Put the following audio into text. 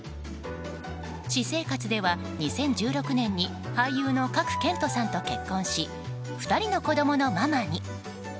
私生活では２０１６年に俳優の賀来賢人さんと結婚し２人の子供のママに。